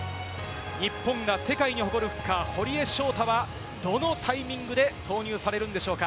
日本が世界に誇るフッカー・堀江翔太は、どのタイミングで投入されるんでしょうか？